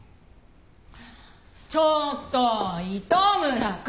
ちょっと糸村くん！